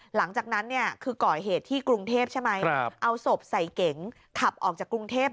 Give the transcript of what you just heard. หลังจากนั้นเนี่ยคือก่อเหตุที่กรุงเทพใช่ไหมเอาศพใส่เก๋งขับออกจากกรุงเทพ